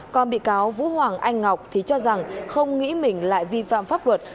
còn bị cáo vũ hoàng anh ngọc thì cho rằng không nghĩ mình lại vi phạm pháp luật